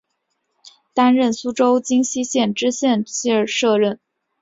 担任江苏荆溪县知县摄任。